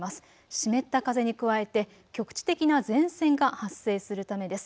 湿った風に加えて局地的な前線が発生するためです。